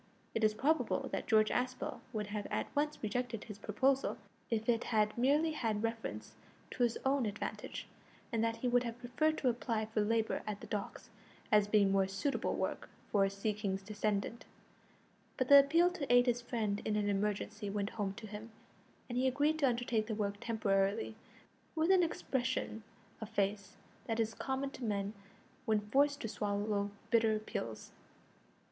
It is probable that George Aspel would have at once rejected his proposal if it had merely had reference to his own advantage, and that he would have preferred to apply for labour at the docks, as being more suitable work for a sea king's descendant; but the appeal to aid his friend in an emergency went home to him, and he agreed to undertake the work temporarily, with an expression of face that is common to men when forced to swallow bitter pills.